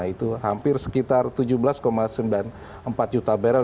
itu hampir sekitar tujuh belas sembilan puluh empat juta barrel